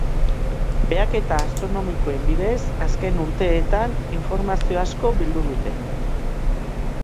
Behaketa astronomikoen bidez, azken urteetan, informazio asko bildu dute.